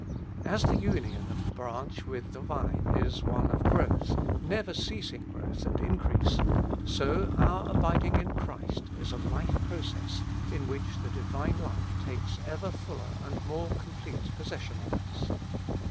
As the union of the branch with the vine is one of growth, never ceasing growth and increase, so our abiding in Christ is a life process in which the Divine life takes ever fuller and more complete possession of us.